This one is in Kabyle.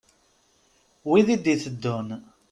Wid i d-iteddun.